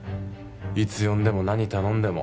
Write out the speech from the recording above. いつ呼んでも何頼んでも